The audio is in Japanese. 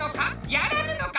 やらぬのか？